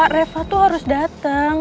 reva tuh harus dateng